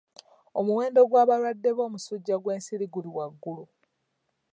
Omuwendo gw'abalwadde b'omusujja gw'ensiri guli waggulu.